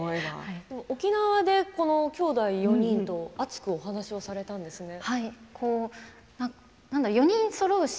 沖縄できょうだい４人で熱くお話されたんですね。